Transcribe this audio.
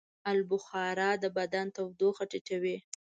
آلوبخارا د بدن تودوخه ټیټوي.